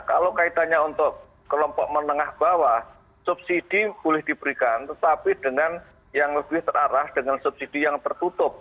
kalau kaitannya untuk kelompok menengah bawah subsidi boleh diberikan tetapi dengan yang lebih terarah dengan subsidi yang tertutup